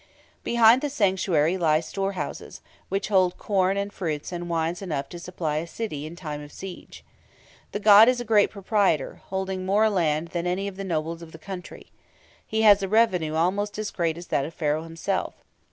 Behind the sanctuary lie storehouses, which hold corn and fruits and wines enough to supply a city in time of siege. The god is a great proprietor, holding more land than any of the nobles of the country. He has a revenue almost as great as that of Pharaoh himself.